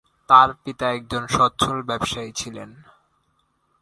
তার পিতা একজন সচ্ছল ব্যবসায়ী ছিলেন।